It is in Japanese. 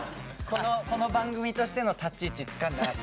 この番組としての立ち位置つかんだなって。